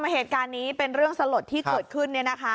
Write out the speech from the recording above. เหตุการณ์นี้เป็นเรื่องสลดที่เกิดขึ้น